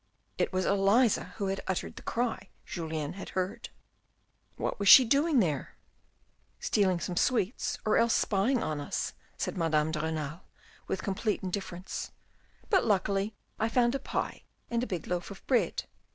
It was Elisa who had uttered the cry Julien had heard. " What was she doing there ?" "Stealing some sweets or else spying on us," said Madame de Renal with complete indifference, " but luckily I found a pie and a big loaf of bread."